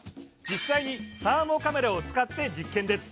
実際にサーモカメラを使って実験です